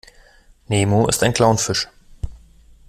Nemo ist ein Clownfisch.